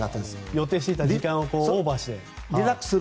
予定していた時間をオーバーして。